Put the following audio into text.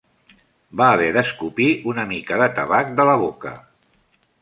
Va haver d'escopir una mica de tabac de la boca.